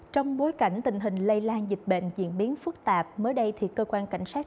trong bối cảnh tình hình lây lan dịch bệnh diễn biến phức tạp mới đây thì cơ quan cảnh sát